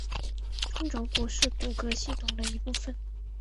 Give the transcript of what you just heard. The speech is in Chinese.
中轴骨是骨骼系统的一部分。